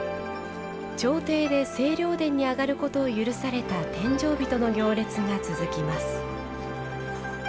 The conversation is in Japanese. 朝廷で清涼殿にあがることを許された殿上人の行列が続きます。